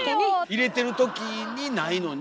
入れてるときにないのに。